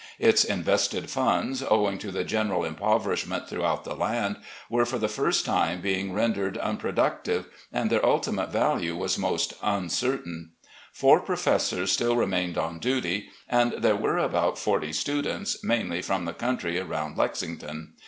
Its invested funds, owing to the general impoverishment throughout the land, were for the time being rendered unproductive and their ultimate value was most uncertain. Four professors still remained on duty, and there were about forty students, mainly from the country around Lexington.